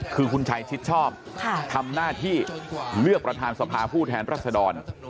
คือคุณชัยชิดชอบทำหน้าที่เลือกประธานสภาผู้แทนรัศดร